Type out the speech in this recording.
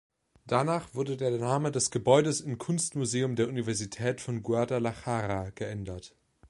Danach wurde der Name des Gebäudes in Kunstmuseum der Universität von Guadalajara geändert.